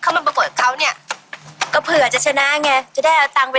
ใครจะได้ไม่ต้องมาเรียกฉันว่า